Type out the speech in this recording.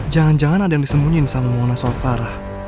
jangan jangan ada yang disembunyiin sama mona soal clara